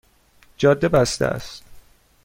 جاده بسته است